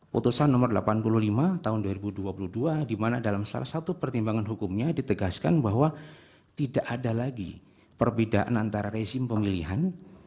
putusan nomor delapan puluh lima tahun dua ribu dua puluh dua di mana dalam salah satu pertimbangan hukumnya ditegaskan bahwa tidak ada lagi perbedaan antara rezim pemilihan